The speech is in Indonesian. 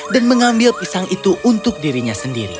dan mengambil pisang untuk dirinya